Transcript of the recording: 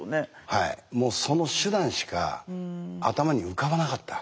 はいもうその手段しか頭に浮かばなかった。